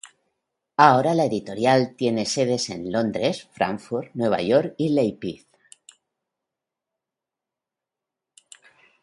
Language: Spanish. Ahora la editorial tiene sedes en Londres, Frankfurt, Nueva York y Leipzig.